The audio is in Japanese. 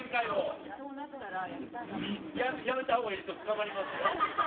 もしそうなったらやりたいなやめたほうがいいですよ、捕まりますよ。